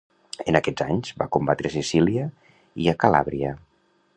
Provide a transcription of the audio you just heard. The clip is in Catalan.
En aquests anys va combatre a Sicília i a Calàbria.